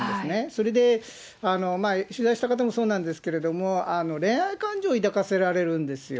それで取材した方もそうなんですけれども、恋愛感情を抱かせられるんですよ。